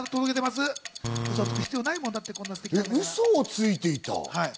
ウソをついていた？